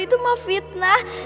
itu mah fitnah